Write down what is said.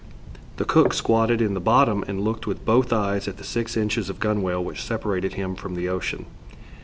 The cook squatted in the bottom and looked with both eyes at the six inches of gunwale which separated him from the ocean.